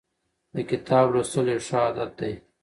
د کتاب لوستل یو ښه عادت دی.